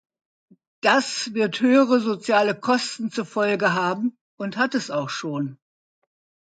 Das wird höhere soziale Kosten zur Folge haben und hat es auch schon.